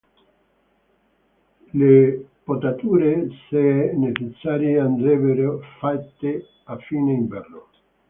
Le potature se necessarie andrebbero fatte a fine inverno.